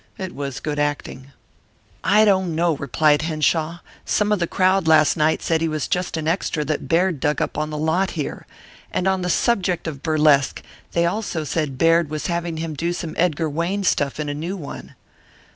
It was good acting. "I don't know," replied Henshaw. "Some of the crowd last night said he was just an extra that Baird dug up on the lot here. And, on the subject of burlesque, they also said Baird was having him do some Edgar Wayne stuff in a new one."